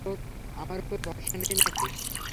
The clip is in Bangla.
আমার উপর ভরসা নেই নাকি?